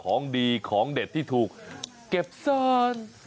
ของดีของเด็ดที่ถูกเก็บซ่อน